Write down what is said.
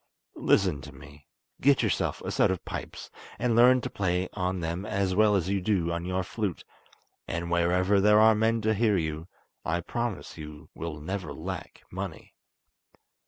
Listen to me; get yourself a set of pipes, and learn to play on them as well as you do on your flute, and wherever there are men to hear you, I promise you will never lack money."